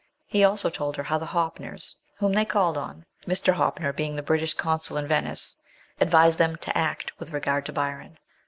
He also told her how the Hoppners, whom they called on (Mr. Hoppner being the British Consul in Venice), advised them to act with regard to Byron.